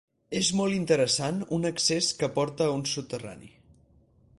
És molt interessant un accés que porta a un soterrani.